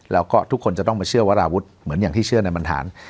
แล้วก็ทุกคนจะต้องมาเชื่อวราวุฒิเหมือนอย่างที่เชื่อในบรรหาร